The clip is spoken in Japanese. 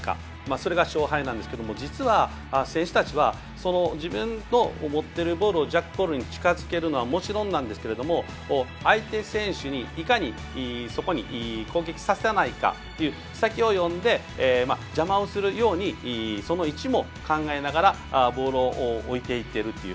それが勝敗なんですけれども実は選手たちは自分の持っているボールをジャックボールに近づけるのはもちろんなんですけど相手選手にいかにそこに攻撃させないかという先を読んで邪魔をするようにその位置も考えながらボールを置いていっているという。